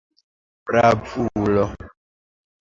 Bravulo!